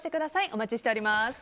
お待ちしております。